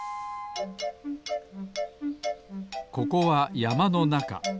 ここはやまのなか。